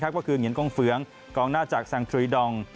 ก็คือเหงียนกงเฟืองกองหน้าจากแซงทรีดอง